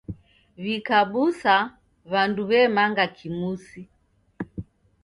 W'ikabusa w'andu w'emanga kimusi.